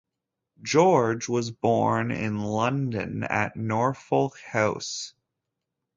George was born in London at Norfolk House.